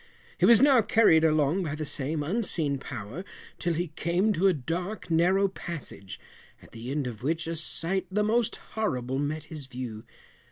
He was now carried along by the same unseen power till he came to a dark narrow passage, at the end of which a sight the most horrible met his view.